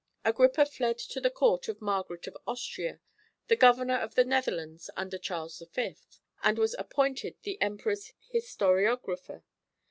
Agrippa fled to the court of Margaret of Austria, the governor of the Netherlands under Charles V., and was appointed the Emperor's historiographer.